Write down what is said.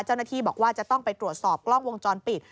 เจ้าหน้าที่บอกว่าจะต้องไปตรวจสอบกล้องวงจรปิด